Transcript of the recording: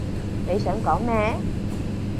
你想講咩？